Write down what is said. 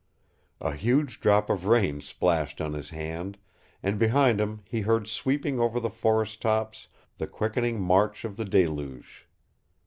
A huge drop of rain splashed on his hand, and behind him he heard sweeping over the forest tops the quickening march of the deluge.